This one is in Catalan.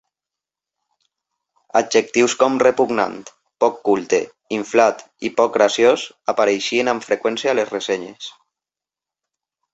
Adjectius com "repugnant", "poc culte", "inflat" i "poc graciós" apareixien amb freqüència a les ressenyes.